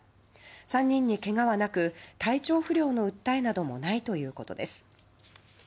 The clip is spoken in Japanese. ３人にけがはなく、体調不良の訴えなどもないということです。